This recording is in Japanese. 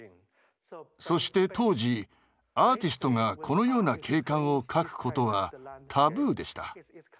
そして当時アーティストがこのような景観を描くことはタブーでした。